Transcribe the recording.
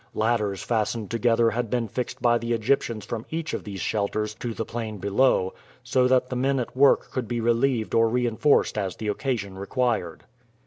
Ladders fastened together had been fixed by the Egyptians from each of these shelters to the plain below, so that the men at work could be relieved or reinforced as the occasion required.